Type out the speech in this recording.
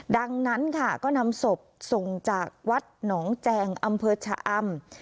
ดังนั้นค่ะก็นำศพส่งจากวัดหนองแจงอำเภอชะอำ